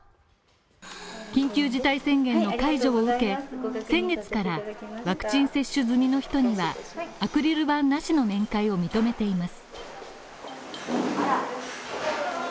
緊急事態宣言の解除を受け先月からワクチン接種済みの人にはアクリル板なしの面会を認めています。